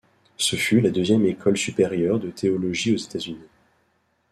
Ce fut la deuxième école supérieure de théologie aux États-Unis.